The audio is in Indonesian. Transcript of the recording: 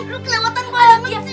lu kelewatan banget sih